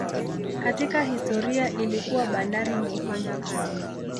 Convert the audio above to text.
Katika historia ilikuwa bandari muhimu.